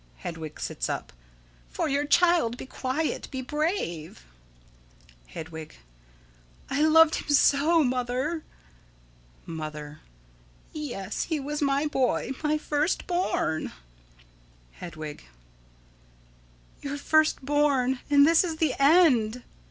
[Hedwig sits up.] For your child be quiet, be brave. Hedwig: I loved him so, Mother! Mother: Yes, he was my boy my first born. Hedwig: Your first born, and this is the end.